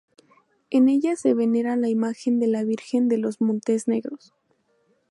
En ella se venera la imagen de la Virgen de los Montes Negros.